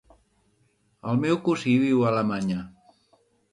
El meu cosí viu a Alemanya.